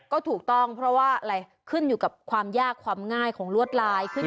ก็ถูกต้องเพราะว่าอะไรขึ้นอยู่กับความยากความง่ายของลวดลายขึ้น